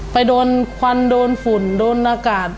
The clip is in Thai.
ไปโดนควันโดนฝุ่นโดนอากาศ